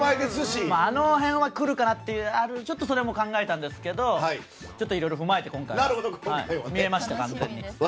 あの辺はくるかなって考えたんですけどちょっといろいろ踏まえて今回は、みえました。